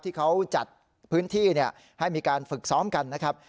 ที่เขาจัดพื้นที่ให้มีการฝึกซ้อมกันนะครับ